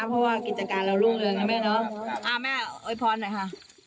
เพราะว่ากิจการเรารุ่งเรืองนะแม่เนอะ